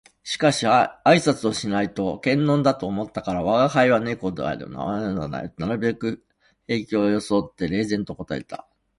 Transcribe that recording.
しかし挨拶をしないと険呑だと思ったから「吾輩は猫である。名前はまだない」となるべく平気を装って冷然と答えた